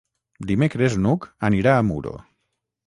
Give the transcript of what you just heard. Dimecres n'Hug anirà a Muro.